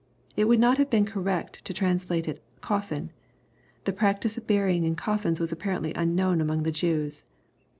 It would not have been correct to trans late it " coffin." The practice of burying in coffins was apparently unknown among the Jews.